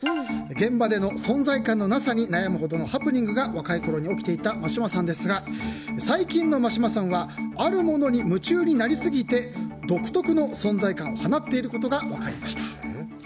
現場での存在感のなさに悩むほどのハプニングが若いころに起きていた眞島さんですが最近の眞島さんはあるものに夢中になりすぎて独特の存在感を放っていることが分かりました。